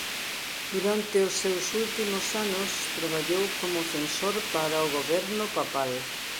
Durante os seus últimos anos traballou como censor para o goberno papal.